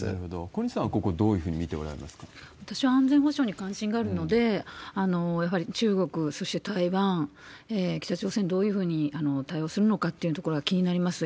小西さんはここ、どういうふうに見ておられますか私は安全保障に関心があるので、やはり中国、そして台湾、北朝鮮、どういうふうに対応するのかっていうようなところが気になります。